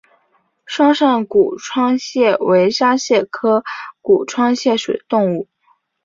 双扇股窗蟹为沙蟹科股窗蟹属的动物。